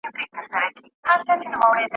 دا مراد او تعبير هم اخيستل کېدلای سي.